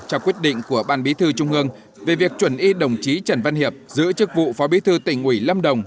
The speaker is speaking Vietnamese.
cho quyết định của ban bí thư trung ương về việc chuẩn y đồng chí trần văn hiệp giữ chức vụ phó bí thư tỉnh ủy lâm đồng